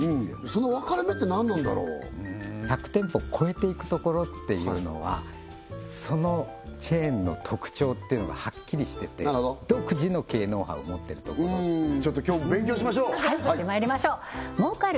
その分かれ目って何なんだろう１００店舗超えていくところっていうのはそのチェーンの特徴っていうのがはっきりしてて独自の経営ノウハウ持ってるところちょっと今日も勉強しましょうはいしてまいりましょう儲かる！